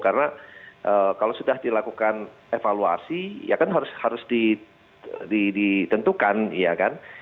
karena kalau sudah dilakukan evaluasi ya kan harus ditentukan ya kan